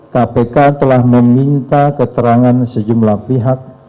kpk telah meminta keterangan sejumlah pihak